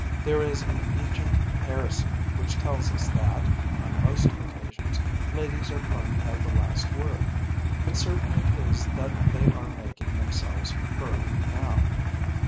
There is an ancient heresy which tells us that, on most occasions, ladies are prone to have the last word; but certain it is that they are making themselves heard now.